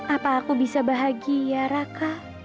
apa aku bisa bahagia raka